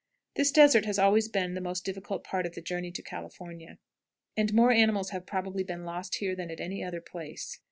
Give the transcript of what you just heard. This desert has always been the most difficult part of the journey to California, and more animals have probably been lost here than at any other place.